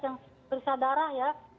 yang periksa darah ya